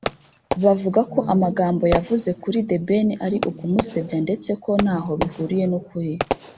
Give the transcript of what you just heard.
bavuga ko amagambo yavuze kuri The Ben ari ukumusebya ndetse ko ntaho bihuriye n’ukuri